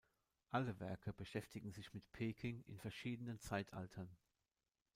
Alle Werke beschäftigen sich mit Peking in verschiedenen Zeitaltern.